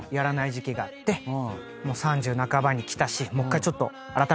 もう３０半ばに来たしもう１回ちょっとあらためて。